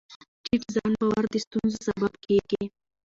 ټیټ ځان باور د ستونزو سبب کېږي.